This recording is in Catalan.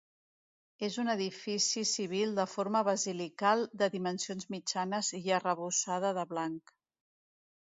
És un edifici civil de forma basilical de dimensions mitjanes i arrebossada de blanc.